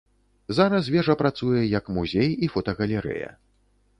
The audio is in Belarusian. Зараз вежа працуе як музей і фотагалерэя.